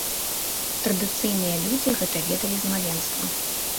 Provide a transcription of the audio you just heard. Традыцыйныя людзі гэта ведалі з маленства.